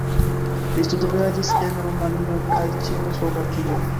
Li studvojaĝis en Rumanio kaj Ĉeĥoslovakio.